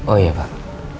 oh ya pak